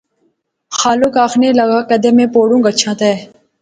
خالق آخنے لاغا کیدے میں پوڑں کچھاں تے؟